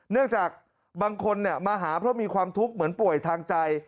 เนื่องจากบางคนมาหาเพราะมีความทุกข์เหมือนป่วยทางใจ